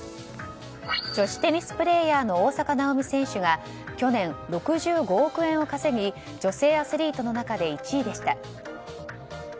女子テニスプレーヤーの大坂なおみ選手が去年、６５億円を稼ぎ女性アスリートの中で１位でした。